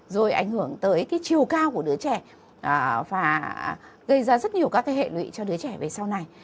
rồi ảnh hưởng tới cái chiều cao của đứa trẻ và gây ra rất nhiều các cái hệ lụy cho đứa trẻ về sau này